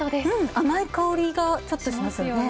甘い香りがちょっとしますよね。